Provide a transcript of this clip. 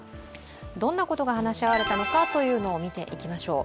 どんなことが話し合われたのかを見ていきましょう。